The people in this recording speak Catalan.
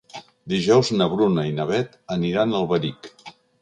Dijous na Bruna i na Beth aniran a Alberic.